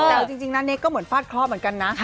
แต่เอาจริงณเน็กก็เหมือนฟาดคลอบเหมือนกันนะ